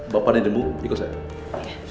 bapak dan ibu di kosong